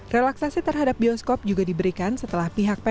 relaksasi terhadap bioskop juga diberikan setelah pihak pt